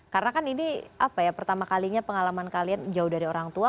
karena kan ini pertama kalinya pengalaman kalian jauh dari orang tua